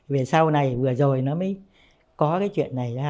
về sau này vừa rồi nó mới có cái chuyện này ra